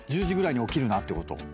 １０時ぐらいに起きるなってこと。